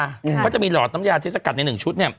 เขาจะมีหลอดน้ำยาที่สกัดในหนึ่งชุดเนี่ย